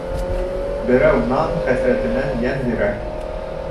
Берәү нан хәсрәтенән йән бирә.